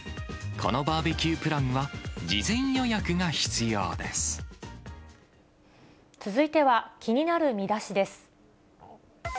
このバーベキュープランは、続いては、気になるミダシです。